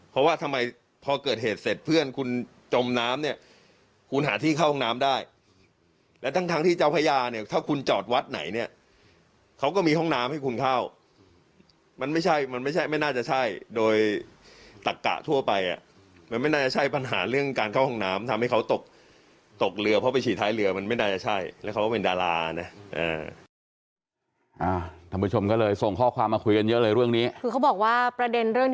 เพราะว่าทำไมพอเกิดเหตุเสร็จเพื่อนคุณจมน้ำเนี่ยคุณหาที่เข้าห้องน้ำได้และทั้งที่เจ้าพญาเนี่ยถ้าคุณจอดวัดไหนเนี่ยเขาก็มีห้องน้ำให้คุณเข้ามันไม่ใช่มันไม่ใช่ไม่น่าจะใช่โดยตักกะทั่วไปอ่ะมันไม่น่าจะใช่ปัญหาเรื่องการเข้าห้องน้ำทำให้เขาตกตกเรือเพราะไปฉีดท้ายเรือมันไม่น่าจะใช่แล้วเขาก็เป็นดารานะ